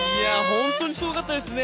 本当にすごかったですね。